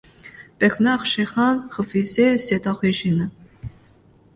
Bernard Chérin refusait cette origine.